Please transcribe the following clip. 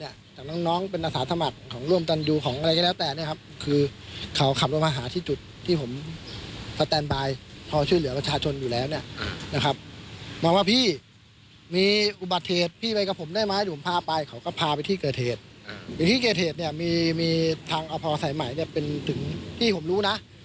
อย่างที่เกิดเหตุเนี่ยมีทางอภสายใหม่เนี่ยเป็นถึงที่ผมรู้นะ